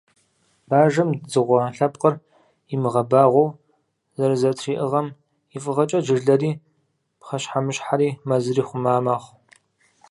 Бажэм дзыгъуэ лъэпкъыр имыгъэбагъуэу зэрызэтриӏыгъэм и фӏыгъэкӏэ, жылэри, пхъэщхьэмыщхьэри, мэзри хъума мэхъу.